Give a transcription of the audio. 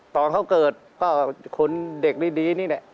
ตอนเขาเกิดก็คนเด็กดีนี่แหละ